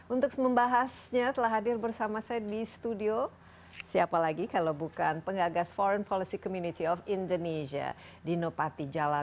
untuk membahasnya telah hadir bersama saya di studio siapa lagi kalau bukan pengagas foreig policy community of indonesia dino patijalal